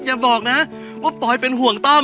อย่าบอกนะว่าปอยเป็นห่วงต้อม